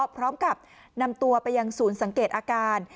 พร้อมกับนำตัวไปยังศูนย์สังเกตอาการ